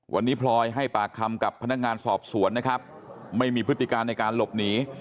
วันนี้พลอยให้ปากคำกับพนักงานสอบสวนนะครับไม่มีพฤติการในการหลบหนี